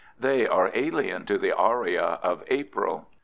They are alien to the aria of April.